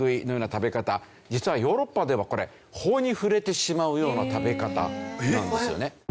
実はヨーロッパではこれ法に触れてしまうような食べ方なんですよね。